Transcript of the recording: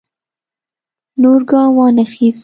نور ګام وانه خیست.